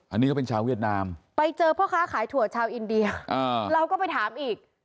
อันนี้ก็เป็นชาวเวียดนามไปเจอพ่อค้าขายถั่วชาวอินเดียเราก็ไปถามอีก